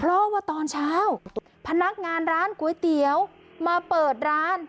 เพราะว่าตอนเช้าพนักงานร้านก๋วยเตี๋ยวมาเปิดร้าน